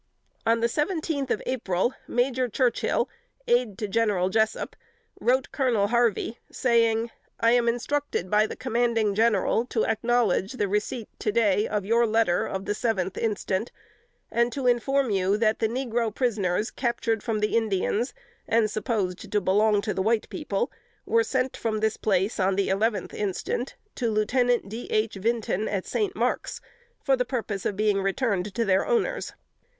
On the seventeenth of April, Major Churchill, aid to General Jessup, wrote Colonel Harney, saying, "I am instructed by the commanding General to acknowledge the receipt to day of your letter of the seventh instant, and to inform you that the negro prisoners captured from the Indians, and supposed to belong to the white people, were sent from this place, on the eleventh instant, to Lieutenant D. H. Vinton, at St. Marks, for the purpose of being returned to their owners.